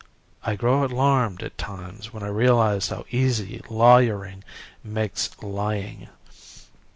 I grow alarmed at times when I realize how easy lawyering makes lying.